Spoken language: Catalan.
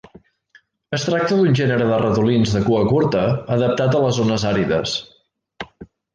Es tracta d'un gènere de ratolins de cua curta adaptat a les zones àrides.